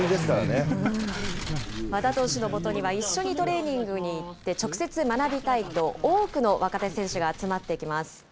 和田投手のもとには、一緒にトレーニングに行って、直接学びたいと、多くの若手選手が集まってきます。